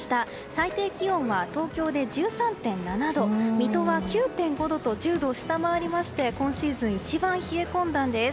最低気温は東京で１３．７度水戸は９．５度と１０度を下回りまして今シーズン一番冷え込んだんです。